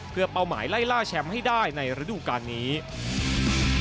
เพื่อเป้าหมายไล่ล่าแชมป์ให้ได้ในฤดูการนี้